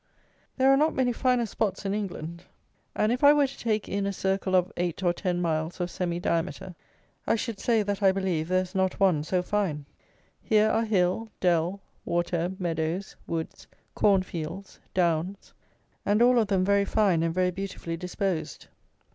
There are not many finer spots in England; and if I were to take in a circle of eight or ten miles of semi diameter, I should say that I believe there is not one so fine. Here are hill, dell, water, meadows, woods, corn fields, downs: and all of them very fine and very beautifully disposed.